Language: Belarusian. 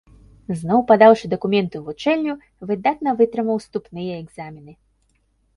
Зноў падаўшы дакументы ў вучэльню, выдатна вытрымаў уступныя экзамены.